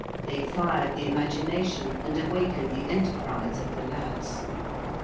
They fired the imagination and awakened the enterprise of the lads.